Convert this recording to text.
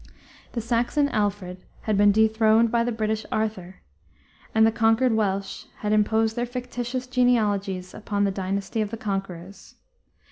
The Saxon Alfred had been dethroned by the British Arthur, and the conquered Welsh had imposed their fictitious genealogies upon the dynasty of the conquerors.